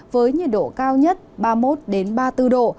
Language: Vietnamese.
với nhiệt độ cao nhất ba mươi một ba mươi bốn độ